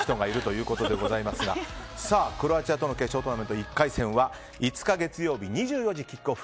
クロアチアとの決勝トーナメント１回戦は５日月曜日２４時キックオフ。